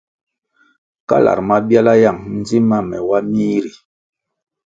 Kalar mabiala yang ndzim ma me wa mih ri.